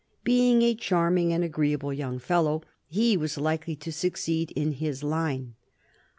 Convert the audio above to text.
Being a charming and agreeable young fellow, he was likely to succeed in this line.